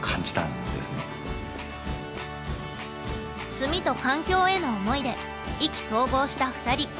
炭と環境への思いで意気投合した２人。